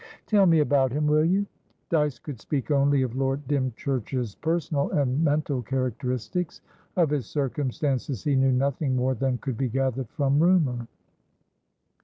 "Tell me about him, will you?" Dyce could speak only of Lord Dymchurch's personal and mental characteristics; of his circumstances he knew nothing more than could be gathered from rumour.